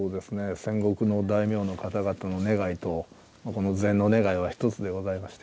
戦国の大名の方々の願いと、膳の願いは１つでございました。